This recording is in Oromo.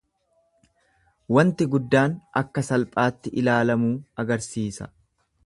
Waanti guddaan akka salphaatti ilaalamuu agarsiisa.